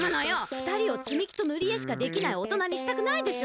ふたりをつみ木とぬり絵しかできないおとなにしたくないでしょ？